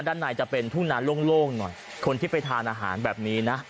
ด้านในจะเป็นทุ่งนานโล่งหน่อยคนที่ไปทานอาหารแบบนี้นะ